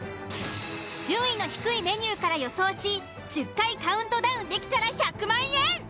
順位の低いメニューから予想し１０回カウントダウンできたら１００万円！